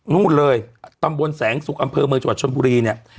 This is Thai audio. นู่นเลยตำบลแสงสุกอำเภอเมืองจังหวัดชนบุรีเนี่ย